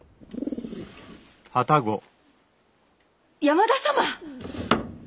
山田様！